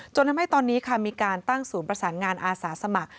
จนทำให้ตอนนี้ค่ะมีการตั้งศูนย์ประสานงานอาสาสมัคร